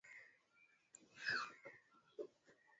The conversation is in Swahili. wongofu mkubwa wa vurugu malezi ya maafisa